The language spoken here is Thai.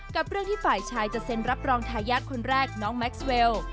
กับเรื่องที่ฝ่ายชายจะเซ็นรับรองทายาทคนแรกน้องแม็กซ์เวล